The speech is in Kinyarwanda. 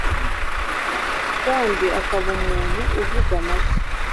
kandi akaba umuntu uvuga macye